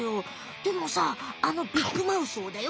でもさあのビッグマウスをだよ